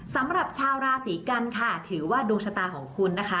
สำหรับชาวราศีกันค่ะถือว่าดวงชะตาของคุณนะคะ